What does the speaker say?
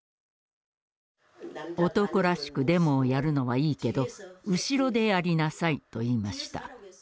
「男らしくデモをやるのはいいけど後ろでやりなさい」と言いました。